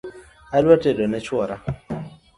Adwa tedo ne chwora